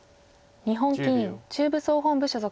日本棋院中部総本部所属。